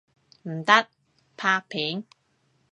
唔得，拍片！